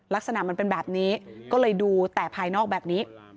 ลักษณะมันเป็นแบบนี้ก็เลยดูแต่ภายนอกแบบนี้